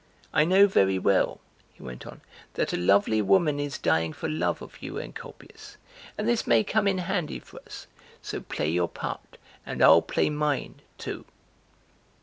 "I know very well," he went on, "that a lovely woman is dying for love of you, Encolpius, and this may come in handy for us, so play your part and I'll play mine, too!")